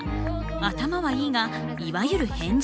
頭はいいがいわゆる変人。